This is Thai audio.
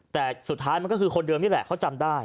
แต่สุดท้ายมันก็คือคนเดิมนี่แหละเขาจำได้